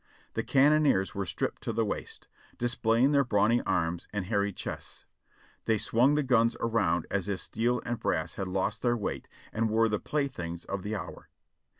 The cannoneers were stripped to the waist, displaying their brawny arms and hairy chests. They swung the guns around as if steel and brass had lost their weight and were the playthings of the hour.